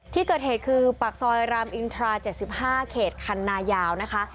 ที่เกิดเหตุคือปากซอยรามอินทรา๗๕เขตคันนายาวนะคะ